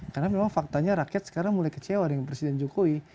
karena memang faktanya rakyat sekarang mulai kecewa dengan presiden jokowi